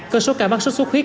cơ số ca mắc sốt xuất huyết